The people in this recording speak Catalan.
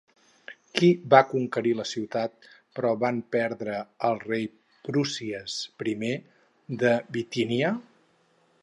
Qui va conquerir la ciutat, però van perdre el rei Prúsies I de Bitínia?